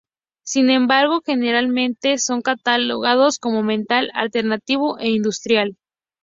Sin embargo, generalmente son catalogados como metal alternativo e industrial.